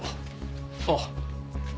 あっ。